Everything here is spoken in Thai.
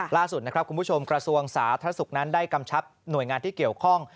ล่าสุดนะครับคุณผู้ชมกระทรวงสาธารณสุขนั้นได้กำชับหน่วยงานที่เกี่ยวข้อง